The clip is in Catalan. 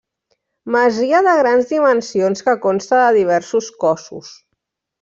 Masia de grans dimensions que consta de diversos cossos.